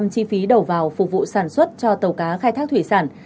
chi phí đầu vào phục vụ sản xuất cho tàu cá khai thác thủy sản